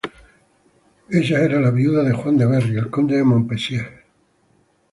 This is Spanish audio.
Ella era la viuda de Juan de Berry, el conde de Montpensier.